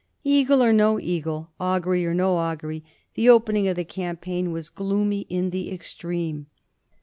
Eagle or no eagle, augury or no augury, the opening of the campaign was gloomy in the extreme.